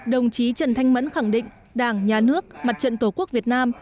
đồng chí trần thanh mẫn khẳng định đảng nhà nước mặt trận tổ quốc việt nam